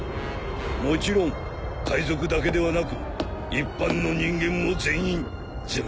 もちろん海賊だけではなく一般の人間も全員全滅じゃがな。